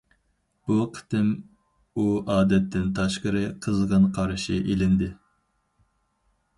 بۇ قېتىم ئۇ ئادەتتىن تاشقىرى قىزغىن قارشى ئېلىندى.